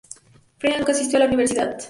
Finney nunca asistió a la universidad.